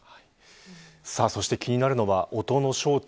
そして気になるのは音の正体。